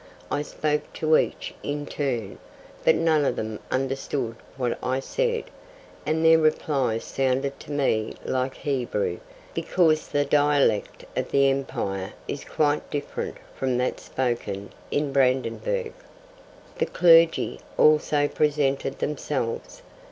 I spoke to each in turn, but none of them understood what I said, and their replies sounded to me like Hebrew, because the dialect of the Empire is quite different from that spoken in Brandenburg. The clergy also presented themselves.